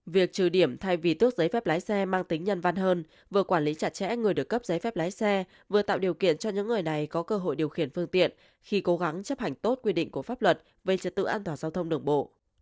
việc trừ điểm thay vì tước giấy phép lái xe mang tính nhân văn hơn vừa quản lý chặt chẽ người được cấp giấy phép lái xe vừa tạo điều kiện cho những người này có cơ hội điều khiển phương tiện khi cố gắng chấp hành tốt quy định của pháp luật về trật tự an toàn giao thông đường bộ